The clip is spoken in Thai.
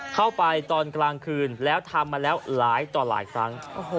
เข้าไปตอนกลางคืนแล้วทำมาแล้วหลายต่อหลายครั้ง